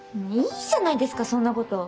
いいじゃないですかそんなこと。